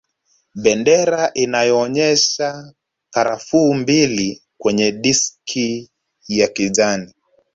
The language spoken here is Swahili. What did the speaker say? Bendera iliyoonyesha karafuu mbili kwenye diski ya kijani